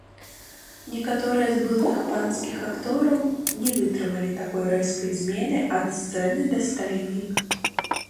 Некаторыя з былых панскіх актораў не вытрымалі такой рэзкай змены ад сцэны да стайні.